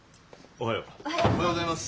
おはようございます。